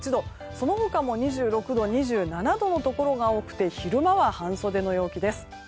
その他も２６度、２７度のところが多くて昼間は半袖の陽気です。